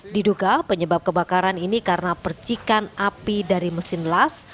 diduga penyebab kebakaran ini karena percikan api dari mesin las